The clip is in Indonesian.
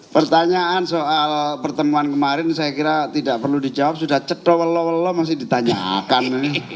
pertanyaan soal pertemuan kemarin saya kira tidak perlu dijawab sudah cedel lolo masih ditanyakan ini